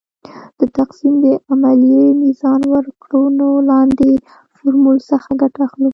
د تقسیم د عملیې میزان وکړو نو د لاندې فورمول څخه ګټه اخلو .